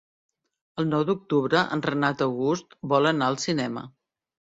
El nou d'octubre en Renat August vol anar al cinema.